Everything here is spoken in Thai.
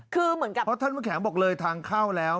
คือเหมือนกับเพราะท่านผู้แข็งบอกเลยทางเข้าแล้ว